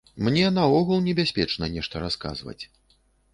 Мне наогул небяспечна нешта расказваць.